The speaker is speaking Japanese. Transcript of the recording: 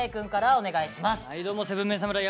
お願いします。